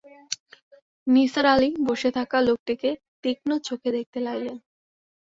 নিসার আলি বসে-থাকা লোকটিকে তীক্ষ্ণ চোখে দেখতে লাগলেন।